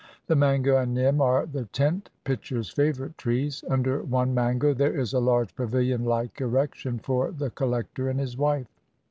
The mango and nim are the tent pitcher's favorite trees. Under one mango there is a large pavilion like erection for the collector and his wife.